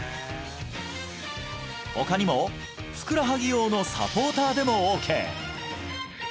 他にもふくらはぎ用のサポーターでもオーケー！